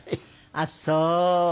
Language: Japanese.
あっそう。